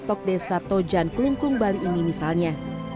di tok desa tojan kelungkung bali ini misalnya